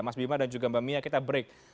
mas bima dan juga mbak mia kita break